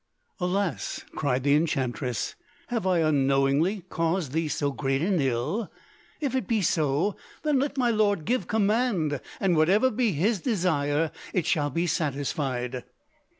"Alas!" cried the enchantress, "have I unknowingly caused thee so great an ill? If it be so, then let my lord give command, and whatever be his desire it shall be satisfied."